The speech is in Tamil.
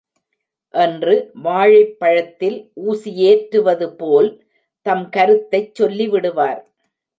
என்று வாழைப்பழத்தில் ஊசியேற்றுவது போல் தம் கருத்தைச் சொல்லிவிடுவார்.